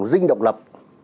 dinh độc lập